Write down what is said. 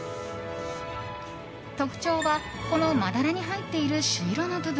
特徴は、このまだらに入っている朱色の部分。